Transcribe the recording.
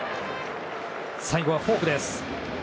最後はフォークです。